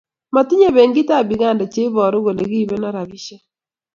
motinye benkit ab Uganda che ibotuu kole kibeetno robishe